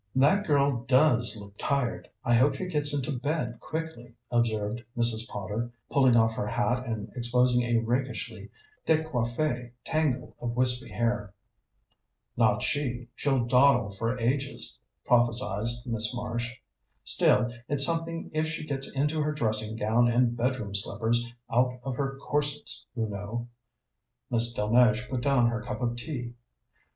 "That girl does look tired. I hope she gets into bed quickly," observed Mrs. Potter, pulling off her hat and exposing a rakishly décoiffé tangle of wispy hair. "Not she she'll dawdle for ages," prophesied Miss Marsh. "Still, it's something if she gets into her dressing gown and bedroom slippers, out of her corsets, you know." Miss Delmege put down her cup of tea.